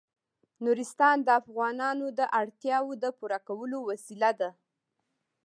نورستان د افغانانو د اړتیاوو د پوره کولو وسیله ده.